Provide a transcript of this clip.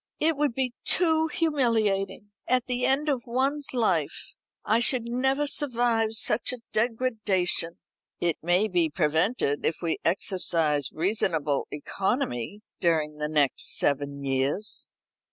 "It would be too humiliating! At the end of one's life. I should never survive such a degradation." "It may be prevented if we exercise reasonable economy during the next seven years."